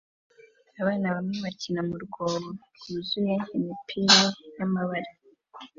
Abana bamwe bakina mu rwobo rwuzuye imipira y'amabara